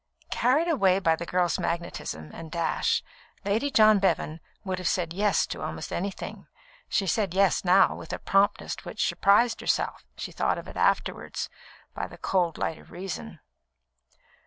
Carried away by the girl's magnetism and dash, Lady John Bevan would have said "Yes" to almost anything. She said "Yes" now with a promptness which surprised herself when she thought of it afterwards, by the cold light of reason.